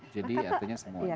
jadi artinya semuanya